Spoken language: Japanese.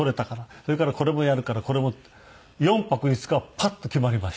「それからこれもやるからこれも」って４泊５日パッと決まりました。